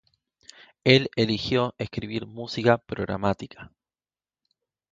Él eligió escribir música programática.